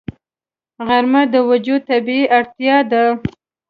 غرمه د وجود طبیعي اړتیا ده